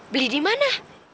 beli di mana